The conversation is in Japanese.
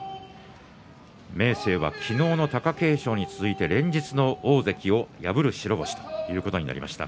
明生は昨日の貴景勝に続いて連日の大関を破る白星ということになりました。